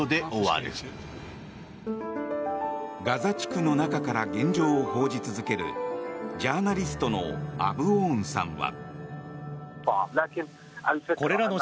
ガザ地区の中から現状を報じ続けるジャーナリストのアブオーンさんは。